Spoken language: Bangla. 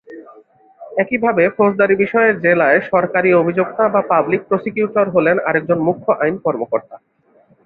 একইভাবে ফৌজদারি বিষয়ে জেলায় সরকারি অভিযোক্তা বা পাবলিক প্রসিকিউটর হলেন আরেকজন মুখ্য আইন কর্মকর্তা।